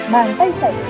bàn tay sẵn